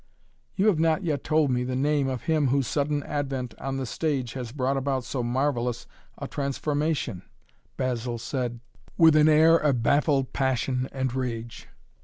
"You have not yet told me the name of him whose sudden advent on the stage has brought about so marvellous a transformation," Basil said with an air of baffled passion and rage.